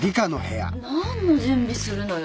何の準備するのよ。